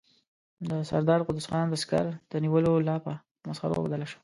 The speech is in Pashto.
د سردار قدوس خان د سکر د نيولو لاپه په مسخرو بدله شوه.